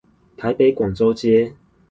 台北廣州街